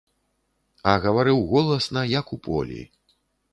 А гаварыў голасна, як у полі.